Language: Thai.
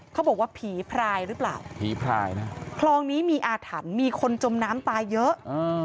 เขาบอกว่าผีพรายหรือเปล่าผีพรายนะคลองนี้มีอาถรรพ์มีคนจมน้ำตายเยอะ